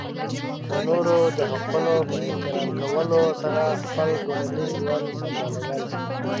د نورو د حقونو په احترام کولو سره خپل ټولنیز ژوند سمبالول.